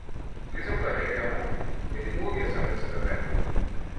Λύσε μου τα χέρια μου, γιατί μούδιασαν έτσι δεμένα.